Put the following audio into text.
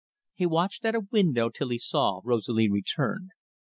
He watched at a window till he saw Rosalie return.